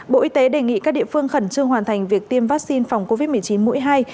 bộ y tế đề nghị các địa phương khẩn trương hoàn thành việc tiêm vaccine phòng covid một mươi chín mũi hai